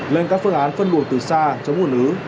lên các phương án phân luồng từ xa chống nguồn ứ